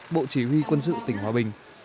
bộ chỉ huy quân sự tỉnh hòa bình